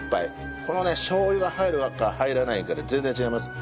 このねしょう油が入るのか入らないかで全然違います。